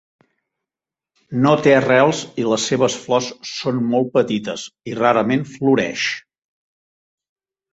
No té arrels i les seves flors són molt petites i rarament floreix.